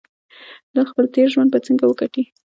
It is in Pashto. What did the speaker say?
دا خپل تېر ژوند به څنګه وګڼي.